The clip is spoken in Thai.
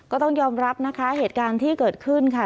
ก็ต้องยอมรับนะคะเหตุการณ์ที่เกิดขึ้นค่ะ